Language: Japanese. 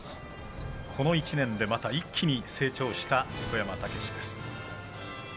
この１年で、また一気に成長した横山武史です。